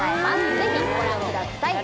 ぜひご覧ください。